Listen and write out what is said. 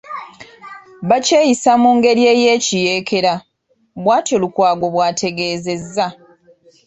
Bakyeyisa mu ngeri y'ekiyeekera; bwatyo Lukwago bw'ategeezezza.